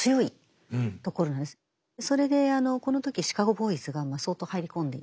それでこの時シカゴ・ボーイズが相当入り込んでいた。